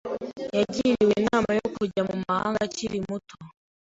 Yagiriwe inama yo kujya mu mahanga akiri muto.